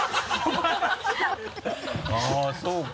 あぁそうか。